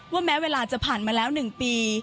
แม้เวลาจะผ่านมาแล้ว๑ปี